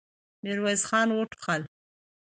ميرويس خان وټوخل.